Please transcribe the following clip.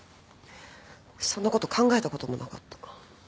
そんなこと考えたこともなかった。